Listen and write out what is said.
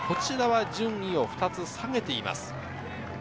順位を２つ下げています。